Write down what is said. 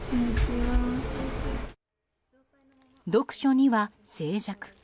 読書には静寂。